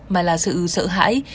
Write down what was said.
mà là sự sợ hãi